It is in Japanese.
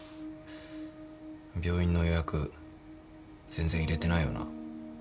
病院の予約全然入れてないよな。